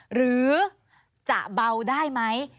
หรือจะเบาได้ไหม